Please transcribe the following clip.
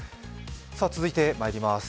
続いてまいります。